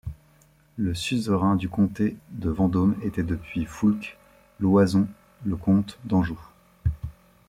Le suzerain du comté de Vendôme était depuis Foulques l’Oison le comte d’Anjou.